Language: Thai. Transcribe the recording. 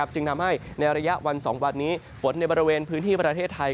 จึงทำให้ในระยะวัน๒วันนี้ฝนในบริเวณพื้นที่ประเทศไทย